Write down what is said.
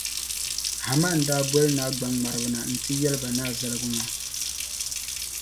Haman daa boli naa gbaŋŋmariba na nti yɛli ba zaligu maa.